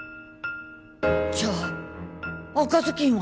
じゃあ赤ずきんは。